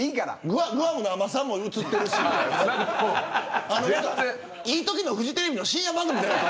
グアムの海女さんも映ってるしいいときのフジテレビの深夜番組みたいやな。